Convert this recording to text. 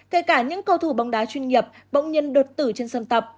kể cả những cầu thủ bóng đá chuyên nghiệp bỗng nhiên đột tử trên sân tập